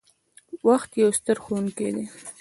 • وخت یو ستر ښوونکی دی.